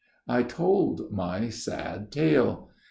"I told my sad tale.